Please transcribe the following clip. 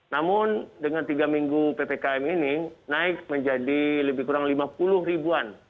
namun dengan tiga minggu ppkm ini naik menjadi lebih kurang lima puluh ribuan